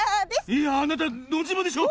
いやあなたノジマでしょ！